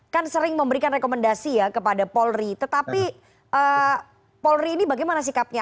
kan sering memberikan rekomendasi ya kepada polri tetapi polri ini bagaimana sikapnya